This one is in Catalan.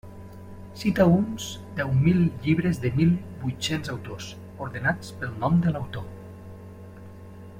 Cita uns deu mil llibres de mil vuit-cents autors, ordenats pel nom de l'autor.